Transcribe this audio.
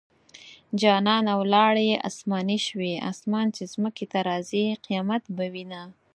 جانانه ولاړې اسماني شوې - اسمان چې ځمکې ته راځي؛ قيامت به وينه